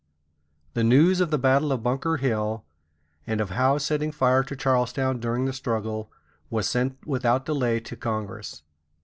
The news of the battle of Bunker Hill, and of Howe's setting fire to Charlestown during the struggle, was sent without delay to Congress.